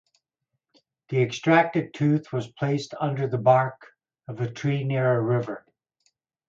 The extracted tooth was placed under the bark of a tree near a river.